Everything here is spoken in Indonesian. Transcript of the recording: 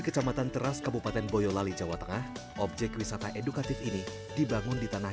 kecamatan teras kabupaten boyolali jawa tengah objek wisata edukatif ini dibangun di tanah